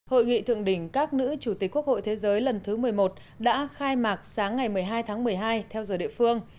hội nghị thượng đỉnh các nữ chủ tịch quốc hội thế giới lần thứ một mươi một đã khai mạc sáng ngày một mươi hai tháng một mươi hai theo giờ địa phương